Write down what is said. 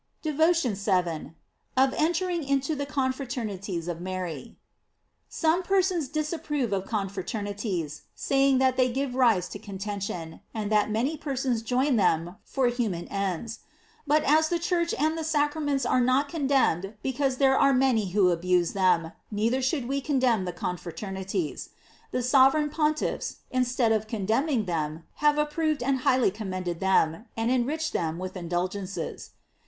DEVOTION VII. OF ENTERING INTO THE CONFRA TERNITIES OF MARY. SOME persons disapprove of confraternities, saying that they give rise to contention, and that many persons join them for human ends. But as the Church and the sacraments are not condemned because there are many who abuse them, neither should we condemn the confrater nities. The sovereign pontiffs, instead of con demning them, have approved and highly com mended them, and enriched them with indul gences.